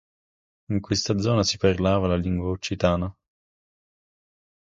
In questa zona si parlava la lingua occitana.